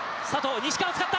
西川を使った。